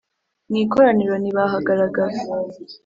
mu ikoraniro ntibahagaragara,